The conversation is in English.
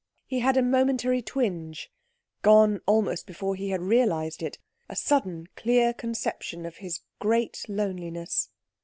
He had a momentary twinge, gone almost before he had realised it, a sudden clear conception of his great loneliness.